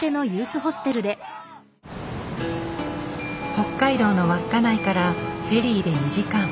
北海道の稚内からフェリーで２時間。